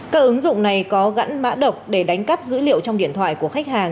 các ứng dụng này có gắn mã độc để đánh cắp dữ liệu trong điện thoại của khách hàng